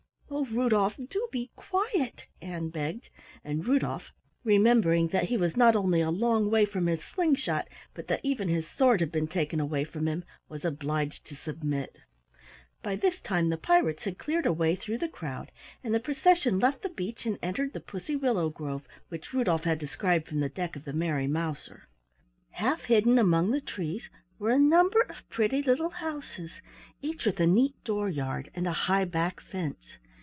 "Oh, Rudolf, do be quiet!" Ann begged, and Rudolf, remembering that he was not only a long way from his sling shot, but that even his sword had been taken away from him, was obliged to submit. By this time the pirates had cleared a way through the crowd and the procession left the beach and entered the pussy willow grove which Rudolf had described from the deck of the Merry Mouser. Half hidden among the trees were a number of pretty little houses, each with a neat door yard and a high back fence.